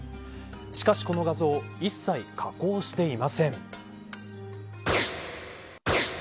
しかし、この画像一切、加工していません。